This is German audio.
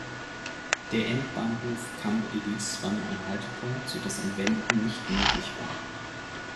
Der Endbahnhof Camp Ellis war nur ein Haltepunkt, sodass ein Wenden nicht möglich war.